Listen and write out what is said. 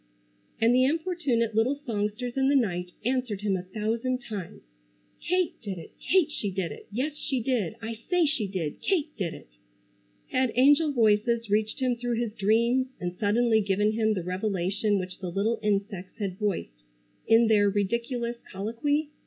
And the importunate little songsters in the night answered him a thousand times: "Kate did it! Kate she did it! Yes she did! I say she did. Kate did it!" Had angel voices reached him through his dreams, and suddenly given him the revelation which the little insects had voiced in their ridiculous colloquy?